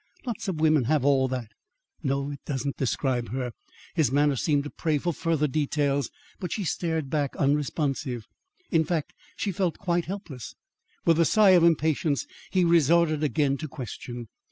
Lots of women have all that." "No, it doesn't describe her." His manner seemed to pray for further details, but she stared back, unresponsive. In fact, she felt quite helpless. With a sigh of impatience, he resorted again to question.